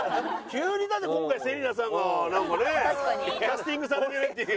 急にだって今回芹那さんがなんかねキャスティングされるっていう。